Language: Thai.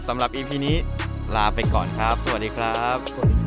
อีพีนี้ลาไปก่อนครับสวัสดีครับ